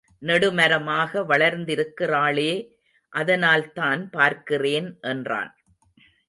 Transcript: நெடுமரமாக வளர்ந்திருக்கிறாளே அதனால்தான் பார்க்கிறேன் என்றான்.